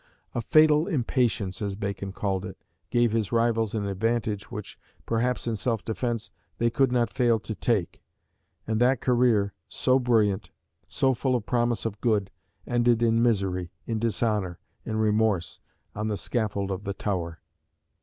A "fatal impatience," as Bacon calls it, gave his rivals an advantage which, perhaps in self defence, they could not fail to take; and that career, so brilliant, so full of promise of good, ended in misery, in dishonour, in remorse, on the scaffold of the Tower.